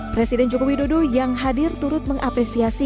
presiden jokowi dodo yang hadir turut mengapresiasi